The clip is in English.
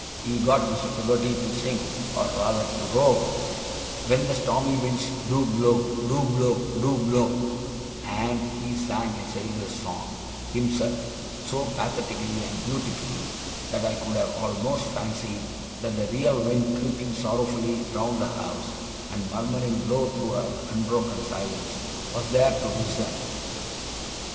He got Mr. Peggotty to sing, or rather to roar, 'When the stormy winds do blow, do blow, do blow'; and he sang a sailor's song himself, so pathetically and beautifully, that I could have almost fancied that the real wind creeping sorrowfully round the house, and murmuring low through our unbroken silence, was there to listen.